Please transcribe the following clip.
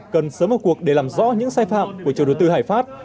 cần sớm một cuộc để làm rõ những sai phạm của chủ đầu tư hải pháp